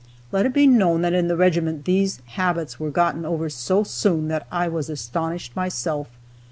Let it be known that in the regiment those habits were gotten over so soon that I was astonished myself.